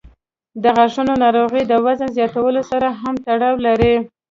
د غاښونو ناروغۍ د وزن زیاتوالي سره هم تړاو لري.